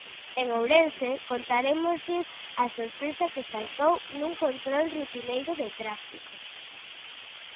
En Ourense, contarémoslles a sorpresa que saltou nun control rutineiro de Tráfico.